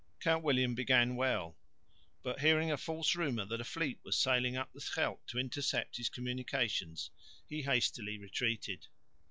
Count William began well, but, hearing a false rumour that a fleet was sailing up the Scheldt to intercept his communications, he hastily retreated.